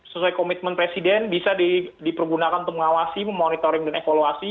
sesuai komitmen presiden bisa dipergunakan untuk mengawasi memonitoring dan evaluasi